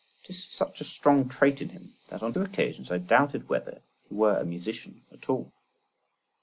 It is such a strong trait in him, that on two occasions I doubted whether he were a musician at all.